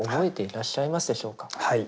はい。